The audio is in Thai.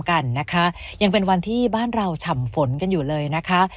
กันนะคะยังเป็นวันที่บ้านเราฉ่ำฝนกันอยู่เลยนะคะ